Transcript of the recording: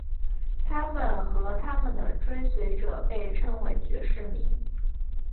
他们和他们的追随者被称为爵士迷。